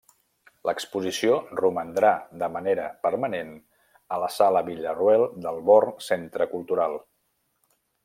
L’exposició romandrà de manera permanent a la Sala Villarroel del Born Centre Cultural.